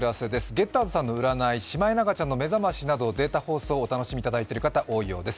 ゲッターズさんの占い、シマエナガちゃんの目覚ましなどデータ放送をお楽しみいただいている方、多いようです。